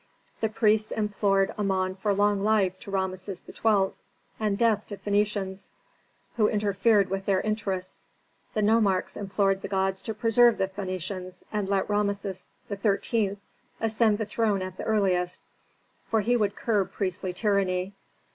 The priests implored Amon for long life to Rameses XII. and death to Phœnicians, who interfered with their interests; the nomarchs implored the gods to preserve the Phœnicians and let Rameses XIII. ascend the throne at the earliest, for he would curb priestly tyranny.